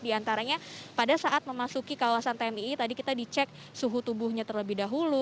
diantaranya pada saat memasuki kawasan tmi tadi kita dicek suhu tubuhnya terlebih dahulu